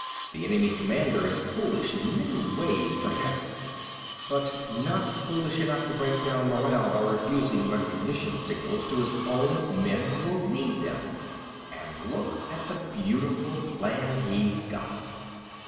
The enemy commander is foolish in many ways, perhaps, but not foolish enough to break down morale by refusing recognition signals to his own men who will need them. And look at the beautiful plan he's got."